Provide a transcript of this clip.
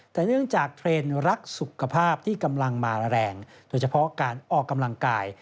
แต่เนื่องจากเทรนด์รักสุขภาพที่กำลังมาแรงโดยเฉพาะการออกกำลังกาย